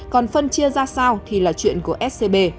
còn phân chia ra sao thì là chuyện của scb